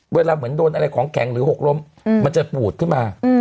เวลาเหมือนโดนอะไรของแข็งหรือหกล้มมันจะปูดขึ้นมา